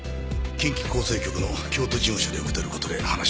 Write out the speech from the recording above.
近畿厚生局の京都事務所で受け取る事で話をつけた。